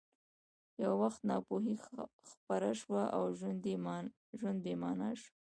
یو وخت ناپوهي خپره شوه او ژوند بې مانا شو